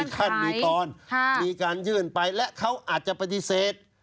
ขั้นมีตอนมีการยื่นไปและเขาอาจจะปฏิเสธ